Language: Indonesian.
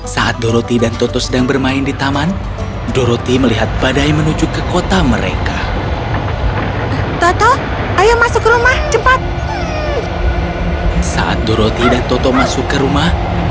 saat doroti dan toto masuk ke rumah